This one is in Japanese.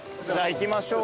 行きましょう！